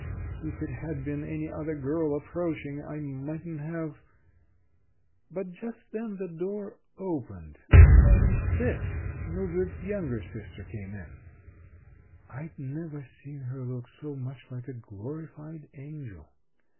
If it had been any other girl approaching, I mightn't have But just then the door opened, and Bess, Mildred's younger sister, came in. I'd never seen her look so much like a glorified angel.